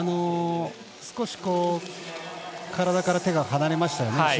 少し体から手が離れましたよね